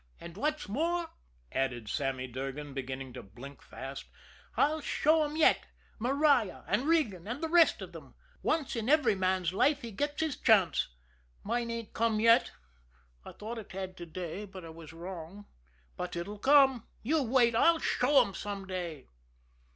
And what's more," added Sammy Durgan, beginning to blink fast, "I'll show 'em yet, Maria, and Regan, and the rest of 'em. Once in every man's life he gets his chance. Mine ain't come yet. I thought it had to day, but I was wrong. But it'll come. You wait! I'll show 'em some day!"